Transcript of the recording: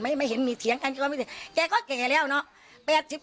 ไม่เห็นมีเถียงกันก็ไม่เห็นเก๋ก็เก๋แล้วเนาะ